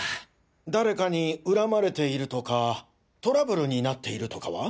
誰かにうらまれているとかトラブルになっているとかは。